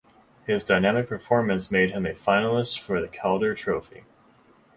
His dynamic performance made him a finalist for the Calder Trophy.